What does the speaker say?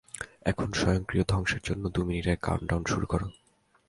এখন, স্বয়ংক্রিয় ধ্বংসের জন্য দুই মিনিটের কাউন্টডাউন শুরু করো।